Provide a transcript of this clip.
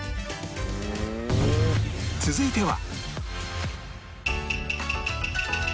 続いては